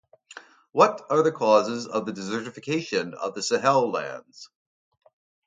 What are the causes of the desertification of the Sahel lands?